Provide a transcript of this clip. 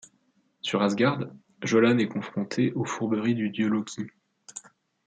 Sur Asgard, Jolan est confronté aux fourberies du dieu Loki.